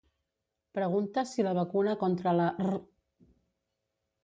Pregunta si la vacuna contra la r